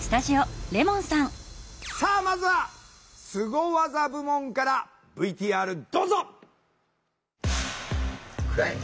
さあまずはスゴ技部門からＶＴＲどうぞ！